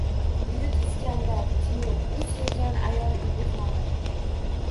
Buyuk Iskandar, Temur, u sevgan ayol Bibixonim…